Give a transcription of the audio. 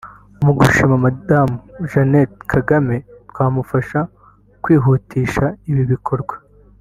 Mu gushimira Madamu Jeannette Kagame twamufasha kwihutisha ibi bikorwa